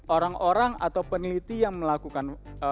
orang orang atau peneliti yang memiliki penelitian yang lebih baik untuk kita